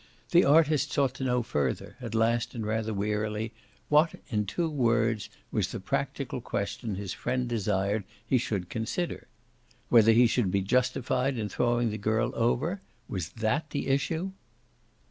The artist sought to know further, at last and rather wearily, what in two words was the practical question his friend desired he should consider. Whether he should be justified in throwing the girl over was that the issue?